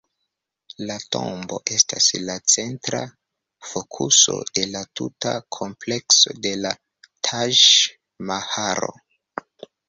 La tombo estas la centra fokuso de la tuta komplekso de la Taĝ-Mahalo.